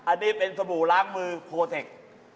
อันนี้เป็นสบู่ล้างมือโคเทค